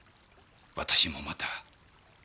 私もまた。